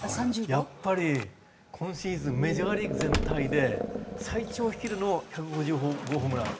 やっぱり今シーズンメジャーリーグ全体で最長飛距離の１５０ホームラン。